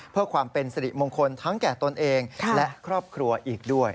เพื่อความเป็นสิริมงคลทั้งแก่ตนเองและครอบครัวอีกด้วย